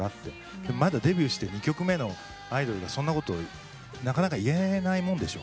でもまだデビューして２曲目のアイドルがそんなことなかなか言えないもんでしょ？